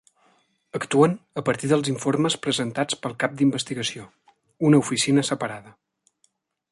Actuen a partir dels informes presentats pel cap d'investigació, una oficina separada.